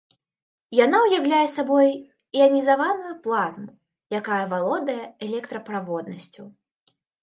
Яна ўяўляе сабой іанізаваную плазму, якая валодае электраправоднасцю.